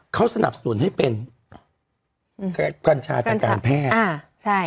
เขาสนับสนุนให้เป็นการแพทย์การแพทย์ใช่